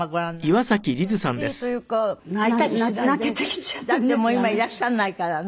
だってもう今いらっしゃらないからね。